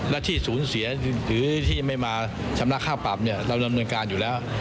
และที่ศูนย์เสียหรือที่ไม่มาชำระค่าปรับเนี่ยเราดำเนินการอยู่แล้ว